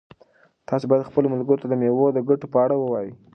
تاسو باید خپلو ملګرو ته د مېوو د ګټو په اړه ووایئ.